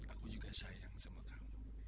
aku juga sayang sama kamu